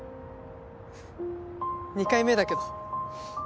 ２回目だけど。